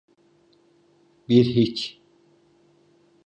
Bir hiç.